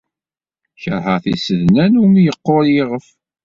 Keṛheɣ tisednan umi yeqqur yiɣef.